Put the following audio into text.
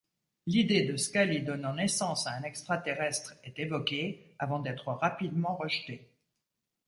L'idée de Scully donnant naissance à un extraterrestre est évoquée avant d'être rapidement rejetée.